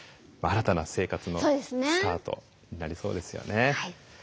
新たな生活のスタートになりそうですよね。